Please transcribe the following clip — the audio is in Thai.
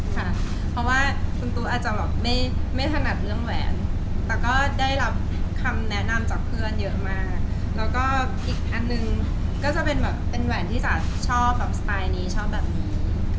ค่ะเพราะว่าคุณตุ๊กอาจจะแบบไม่ถนัดเรื่องแหวนแต่ก็ได้รับคำแนะนำจากเพื่อนเยอะมากแล้วก็อีกอันนึงก็จะเป็นแบบเป็นแหวนที่จ๋าชอบแบบสไตล์นี้ชอบแบบนี้